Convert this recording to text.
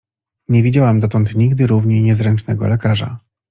Nie widziałam dotąd nigdy równie niezręcznego lekarza.